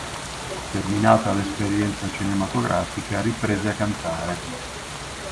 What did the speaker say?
Terminata l'esperienza cinematografica riprese a cantare.